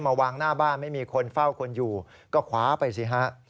มาวางหน้าบ้านไม่มีคนเฝ้าคนอยู่ก็คว้าไปสิฮะ